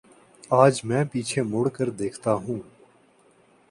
آج میں پیچھے مڑ کر دیکھتا ہوں۔